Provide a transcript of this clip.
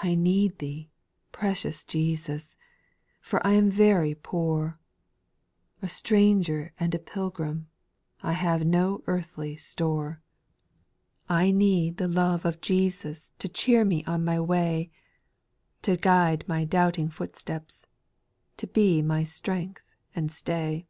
2. I need Thee, precious Jesus ! for I am very poor, A stranger and a pi\gii\ii,\ V^^e. \^^ ^"ssJOsS^ store ; 24 2*^8 SPIRITUAL SONGS. I need the love of Jesus to cheer me on my way, To guide my doubting footsteps, to be my strength and stay.